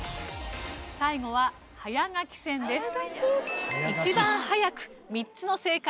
最後は早書き戦です。